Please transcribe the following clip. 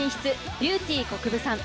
ビューティーこくぶさん。